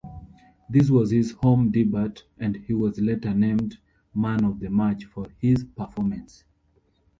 This was his home debut, and he was later named man-of-the-match for his performance.